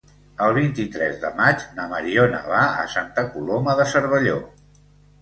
El vint-i-tres de maig na Mariona va a Santa Coloma de Cervelló.